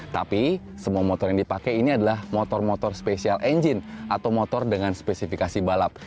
tapi semua motor yang dipakai ini adalah motor motor special engine atau motor dengan spesifikasi balap